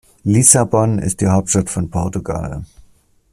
Lissabon ist die Hauptstadt von Portugal.